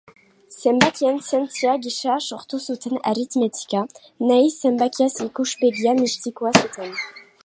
Zenbakien zientzia gisa sortu zuten aritmetika, nahiz zenbakiez ikuspegi mistikoa zuten.